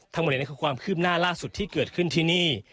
ทั้งหมดนี้คือความคืบหน้าล่าสุดที่เกิดขึ้นที่นี่